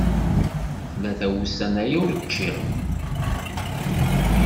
Tlata wussan aya ur ččiɣ.